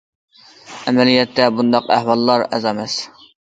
ئەمەلىيەتتە، بۇنداق ئەھۋاللار ئاز ئەمەس.